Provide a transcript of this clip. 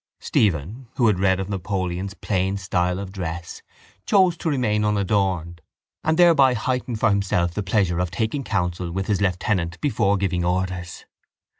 Stephen, who had read of Napoleon's plain style of dress, chose to remain unadorned and thereby heightened for himself the pleasure of taking counsel with his lieutenant before giving orders.